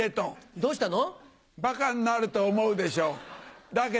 どうしたの？